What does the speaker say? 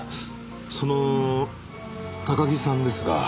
その高木さんですが。